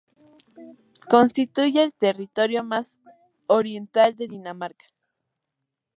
Constituye el territorio más oriental de Dinamarca.